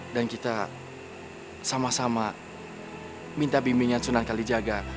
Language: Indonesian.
dan kita sama sama minta bimbingan sunan kalijaga